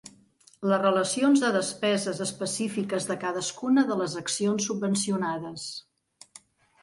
Les relacions de despeses específiques de cadascuna de les accions subvencionades.